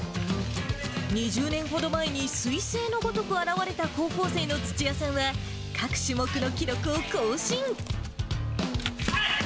２０年ほど前にすい星のごとく現れた高校生の土屋さんは、各種目の記録を更新。